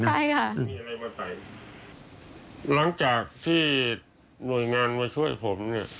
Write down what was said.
ใช่ค่ะมีอะไรมาใส่หลังจากที่หน่วยงานมาช่วยผมเนี่ย